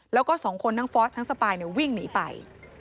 แล้วก็สองคนทั้งฟอสทั้งสปายวิ่งหนีไป